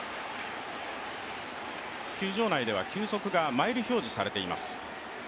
球場内では球速がマイル表示されています。